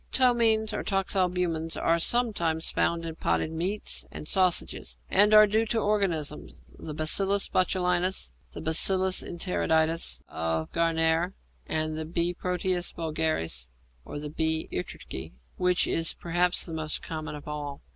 Ptomaines or toxalbumins are sometimes found in potted meats and sausages, and are due to organisms the Bacillus botulinus, the B. enteritidis of Gärtner, the B. proteus vulgaris, or the B. ærtrycke (which is perhaps the most common of all).